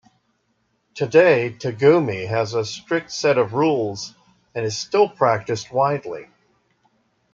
Today, "tegumi" has a strict set of rules and is still practiced widely.